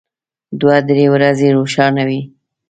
دوه درې ورځې روښانه وي.